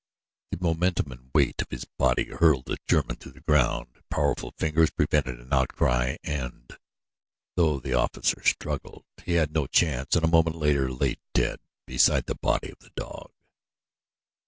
The momentum and weight of his body hurled the German to the ground, powerful fingers prevented an outcry and, though the officer struggled, he had no chance and a moment later lay dead beside the body of the dog.